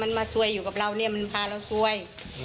มันมาซวยอยู่กับเราเนี่ยมันพาเราซวย